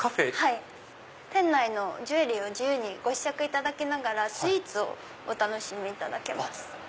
店内のジュエリーを自由にご試着いただきながらスイーツをお楽しみいただけます。